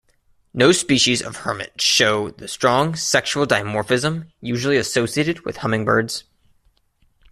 No species of hermit show the strong sexual dimorphism usually associated with hummingbirds.